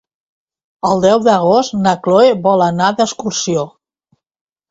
El deu d'agost na Chloé vol anar d'excursió.